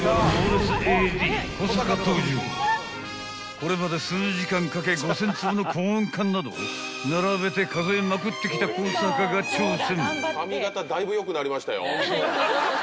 ［これまで数時間かけ５，０００粒のコーン缶など並べて数えまくってきた小阪が挑戦］